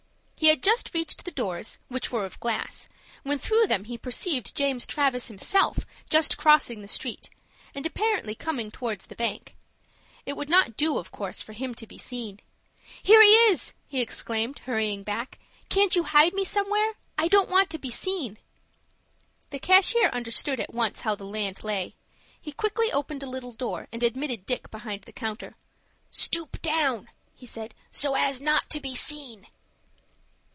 He had just reached the doors, which were of glass, when through them he perceived James Travis himself just crossing the street, and apparently coming towards the bank. It would not do, of course, for him to be seen. "Here he is," he exclaimed, hurrying back. "Can't you hide me somewhere? I don't want to be seen." The cashier understood at once how the land lay. He quickly opened a little door, and admitted Dick behind the counter. "Stoop down," he said, "so as not to be seen."